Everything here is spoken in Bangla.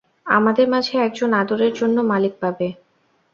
আমাদের মাঝে একজন আদরের জন্য মালিক পাবে।